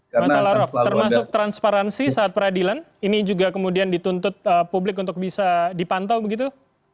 mas alarok termasuk transparansi saat peradilan ini juga kemudian dituntut publik untuk bisa dipantau begitu